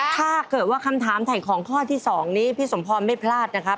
ถ้าเกิดว่าคำถามถ่ายของข้อที่๒นี้พี่สมพรไม่พลาดนะครับ